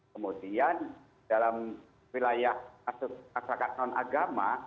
kemudian dalam wilayah asal asal non agama